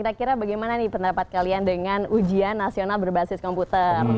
kira kira bagaimana nih pendapat kalian dengan ujian nasional berbasis komputer